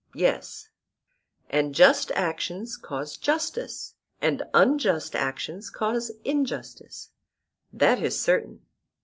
Yes. And just actions cause justice, and unjust actions cause injustice? That is certain.